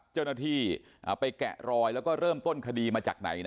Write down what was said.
เจ้าหน้าที่ไปแกะรอยแล้วก็เริ่มต้นคดีมาจากไหน